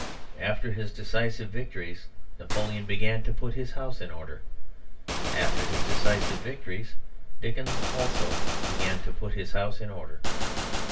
After his decisive victories Napoleon began to put his house in order; after his decisive victories Dickens also began to put his house in order.